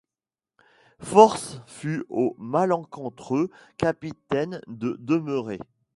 Force fut au malencontreux capitaine de demeurer.